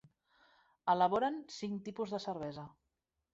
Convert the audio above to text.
Elaboren cinc tipus de cervesa: